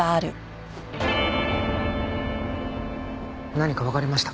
何かわかりましたか？